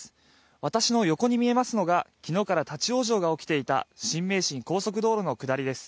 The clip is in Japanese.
私の横に見えますのが、昨日から立往生が起きていた新名神高速道路の下りです。